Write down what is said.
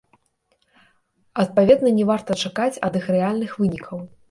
Адпаведна не варта чакаць ад іх рэальных вынікаў.